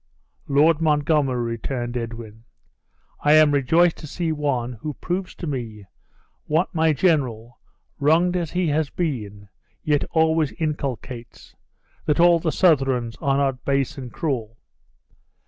"Lord Montgomery," returned Edwin, "I am rejoiced to see one who proves to me what my general, wronged as he has been, yet always inculcates that all the Southrons are not base and cruel!